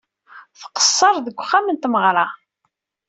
Tqeṣṣer deg uxxam n tmeɣṛa.